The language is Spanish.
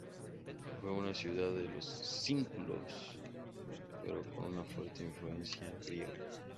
Fue una ciudad de los sículos pero con fuerte influencia griega.